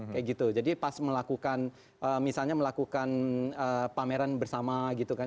kayak gitu jadi pas melakukan misalnya melakukan pameran bersama gitu kan